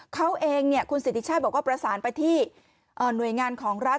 เขาเองคุณสิทธิชาติบอกว่าประสานไปที่หน่วยงานของรัฐ